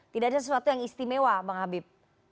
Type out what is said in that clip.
tidak ada sesuatu yang istimewa bang habib